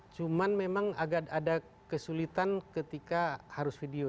cuman memang agak ada kesulitan ketika harus video